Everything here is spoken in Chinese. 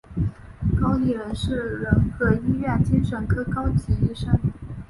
高立仁是仁和医院精神科高级医生。